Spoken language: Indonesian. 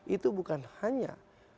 itu bukan hanya